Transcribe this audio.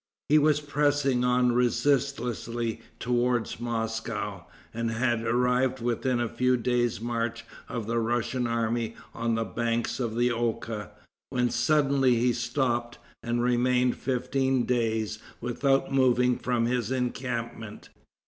He was pressing on resistlessly towards Moscow, and had arrived within a few days' march of the Russian army on the banks of the Oka, when suddenly he stopped, and remained fifteen days without moving from his encampment.